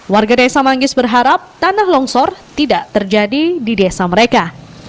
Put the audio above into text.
warga desa manggis berharap tanah longsor tidak terjadi di desa mereka